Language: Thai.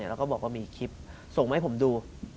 แล้วก็บอกว่ามีคลิปส่งมาให้ผมดู